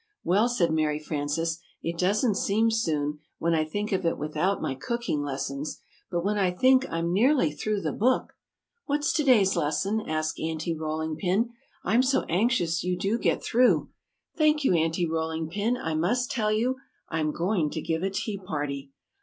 "Well," said Mary Frances, "it doesn't seem soon when I think of it without my cooking lessons but when I think I'm nearly through the book " "What's to day's lesson?" asked Aunty Rolling Pin. "I'm so anxious you do get through!" "Thank you, Aunty Rolling Pin, I must tell you. I'm going to give a Tea Party!"